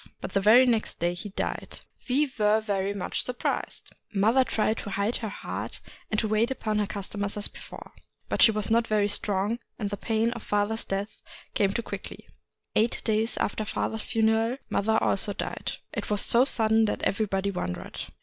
But the very next day he died. We were very much surprised. Mother tried to hide her heart, and to wait upon her customers as before. But she was not very strong, and the pain of father's death came too quickly. Eight days after father's funeral mother also died. It was so sudden that everybody wondered.